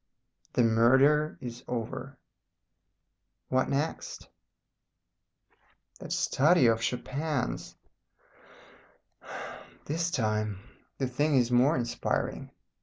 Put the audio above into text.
The murder is over. "What next? That Study of Chopin's! This time the thing is more inspiring.